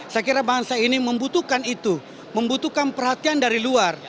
saya kira bangsa ini membutuhkan itu membutuhkan perhatian dari luar